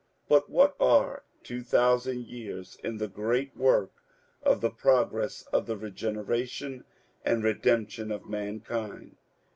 But what are 2000 years in the great work of the progress of the regeneration and redemption of mankind